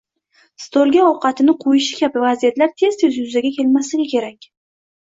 stolga ovqatini qo‘yishi kabi vaziyatlar tez-tez yuzaga kelmasligi kerak.